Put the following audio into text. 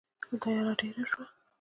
تیاره ډېره شوه.